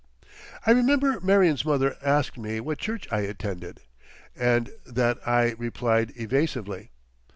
I remember Marion's mother asked me what church I attended, and that I replied evasively.